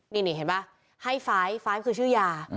นี่เห็นป่ะให้๕คือชื่อยา